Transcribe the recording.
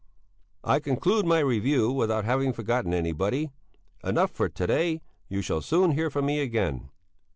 I conclude my review without having forgotten anybody. Enough for to day. You shall soon hear from me again.